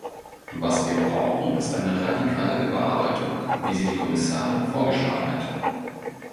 Was wir brauchen, ist eine radikale Überarbeitung, wie sie die Kommissarin vorgeschlagen hat.